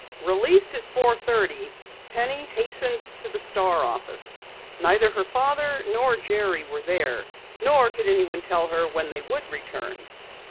Released at four thirty, Penny hastened to the Star office. Neither her father nor Jerry were there, nor could anyone tell her when they would return.